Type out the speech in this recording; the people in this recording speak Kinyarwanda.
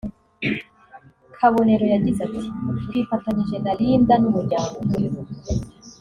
Kabonero yagize ati “Twifatanyije na Lindah n’umuryango